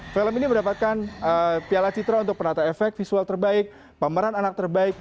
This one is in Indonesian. film ini mendapatkan piala citra untuk penata efek visual terbaik pemeran anak terbaik